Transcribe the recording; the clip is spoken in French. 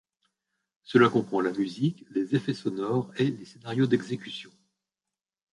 Cela comprend la musique, les effets sonores et les scénarios d'exécution.